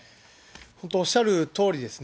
本当、おっしゃるとおりですね。